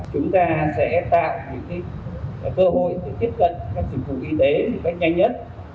chúng ta sẽ tạo những cơ hội tiếp cận các sử dụng y tế cách nhanh nhất